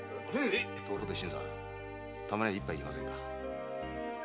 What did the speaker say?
ところで新さん一杯いきませんか？